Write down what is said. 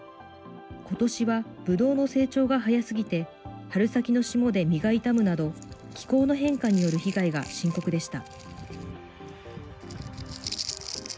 ことしはぶどうの成長が早すぎて、春先の霜で実が傷むなど、気候の変化による被害が深刻でした。